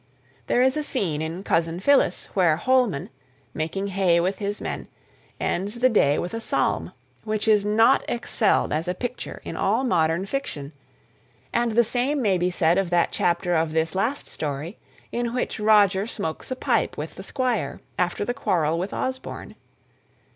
There is a scene in Cousin Phyllis where Holman, making hay with his men, ends the day with a psalm which is not excelled as a picture in all modern fiction; and the same may be said of that chapter of this last story in which Roger smokes a pipe with the Squire after the quarrel with Osborne.